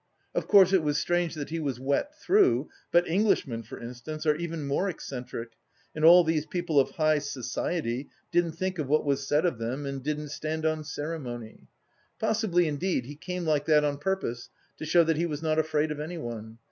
Of course it was strange that he was wet through, but Englishmen, for instance, are even more eccentric, and all these people of high society didn't think of what was said of them and didn't stand on ceremony. Possibly, indeed, he came like that on purpose to show that he was not afraid of anyone.